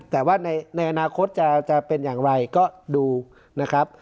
แต่ว่าในอนาคตจะเป็นอย่างไรก็ดูนะครับ